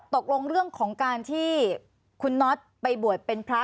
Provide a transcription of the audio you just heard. ตกลงเรื่องของการที่คุณน็อตไปบวชเป็นพระ